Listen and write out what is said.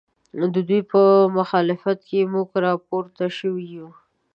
ددوی په مخالفت کې موږ راپورته شوي یو